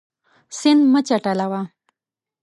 سیند مه چټلوه.